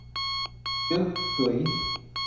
จึ๊กกึ๋ย